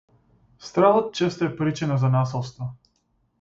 Стравот често е причина за насилство.